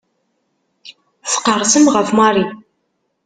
Tqerrsem ɣef Mary.